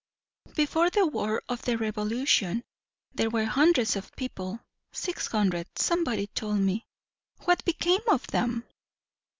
"Before the war of the revolution. There were hundreds of people; six hundred, somebody told me." "What became of them?"